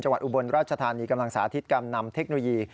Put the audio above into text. จังหวัดอุบลราชธานีกำลังสาธิตกำนำเทคโนยี